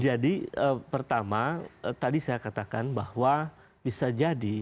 jadi pertama tadi saya katakan bahwa bisa jadi